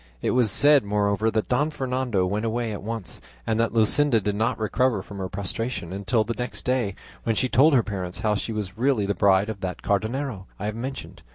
It was said, moreover, that Don Fernando went away at once, and that Luscinda did not recover from her prostration until the next day, when she told her parents how she was really the bride of that Cardenio I have mentioned.